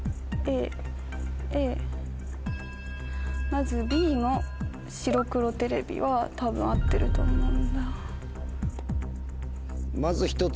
まずＢの白黒テレビは多分合ってると思うんだ。